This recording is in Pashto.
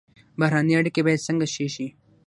بهرنۍ اړیکې باید څنګه ښې شي؟